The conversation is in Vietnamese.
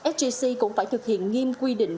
sgc cũng phải thực hiện nghiêm quy định